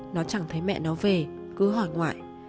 nó chẳng thấy mẹ nó về cứ hỏi ngoại